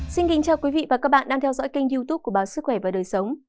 xin kính chào quý vị và các bạn đang theo dõi kênh youtube của báo sức khỏe và đời sống